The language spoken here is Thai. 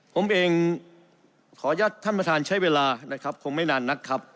ผมเองขออนุญาตท่านประธานใช้เวลานะครับคงไม่นานนักครับ